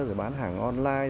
rồi bán hàng online